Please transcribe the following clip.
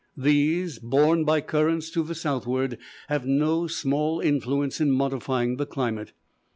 These, borne by currents to the southward, have no small influence in modifying the climate.